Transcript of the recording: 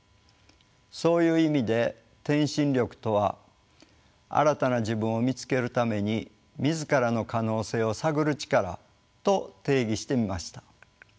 そういう意味で「転身力」とは新たな自分を見つけるために自らの可能性を探る力と定義してみました。